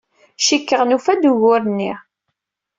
Cikkeɣ nufa-d ugur-nni.